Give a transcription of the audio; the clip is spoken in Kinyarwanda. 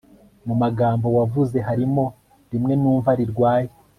mu magambo wavuze harimo rimwe numva rirwaye